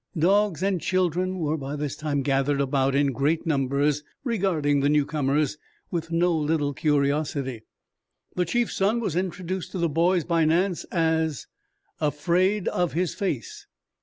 Dogs and children were by this time gathered about in great numbers regarding the new comers with no little curiosity. The chief's son was introduced to the boys by Nance as "Afraid Of His Face."